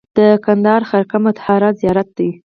د کندهار خرقه مطهره زیارت دی